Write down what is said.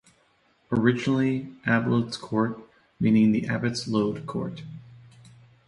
Originally Ablodes Court, meaning the Abbots Lode Court.